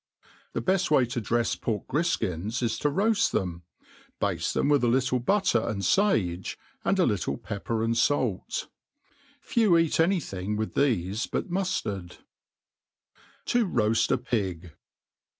The beft way to drefs pork grifkins is toroaife • them^ bade thepi with a little butter and fage, and a Uttle pep^ per an J fait. Few eat any thing with thefe but muilard* To roajl a Pig.